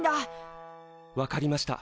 わかりました。